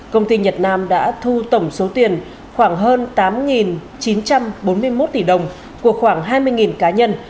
công ty nhật nam đã thu tổng số tiền khoảng hơn tám chín trăm bốn mươi một tỷ đồng của khoảng hai mươi cá nhân